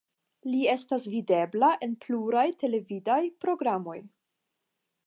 Li estis videbla en pluraj televidaj programoj.